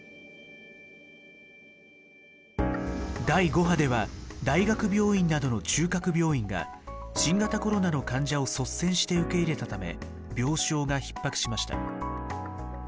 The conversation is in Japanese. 第５波では大学病院などの中核病院が新型コロナの患者を率先して受け入れたため病床がひっ迫しました。